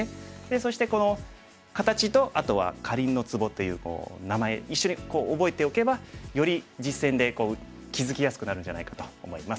そしてこの形とあとは「かりんのツボ」という名前一緒に覚えておけばより実戦で気付きやすくなるんじゃないかと思います。